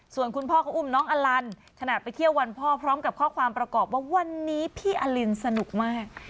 ส่วนคุณพ่อเขาอุ้มน้องอลันขณะไปเที่ยววันพ่อพร้อมกับข้อความประกอบว่าวันนี้พี่อลินสนุกมาก